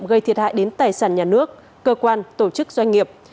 gây thiệt hại đến tài sản nhà nước cơ quan tổ chức doanh nghiệp